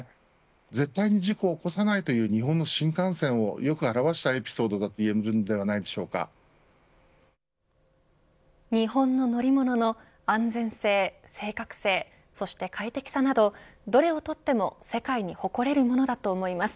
絶対に事故を起こさないという日本の新幹線をよく表したエピソードだと日本の乗り物の安全性正確性、そして快適さなどどれをとっても世界に誇れるものだと思います。